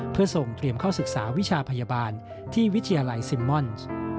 เพื่อส่งเตรียมเข้าศึกษาวิชาพยาบาลที่วิทยาลัยซิมมอนซ์